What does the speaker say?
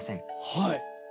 はい。